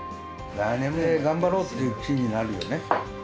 来年も頑張ろうっていう気になるよね。